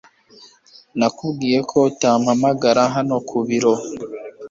Nakubwiye ko utampamagara hano ku biro.